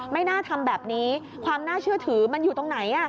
ไม่น่าทำแบบนี้ความน่าเชื่อถือมันอยู่ตรงไหน